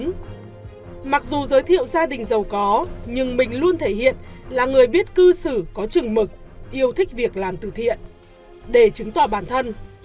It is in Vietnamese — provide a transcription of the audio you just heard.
mặc dù giới thiệu gia đình giàu có nhưng mình luôn thể hiện là người biết cư xử có trừng mực yêu thích việc làm từ thiện để chứng tỏ bản thân